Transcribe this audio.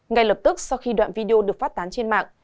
ngay lập tức sau khi đoạn video được phát tán trên mạng